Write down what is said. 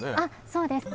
そうです